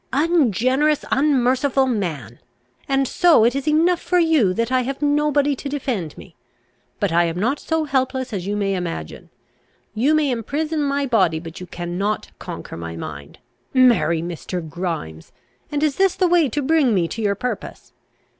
"Ungenerous, unmerciful man! and so it is enough for you that I have nobody to defend me! But I am not so helpless as you may imagine. You may imprison my body, but you cannot conquer my mind. Marry Mr. Grimes! And is this the way to bring me to your purpose?